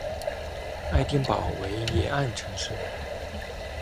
爱丁堡为沿岸城市。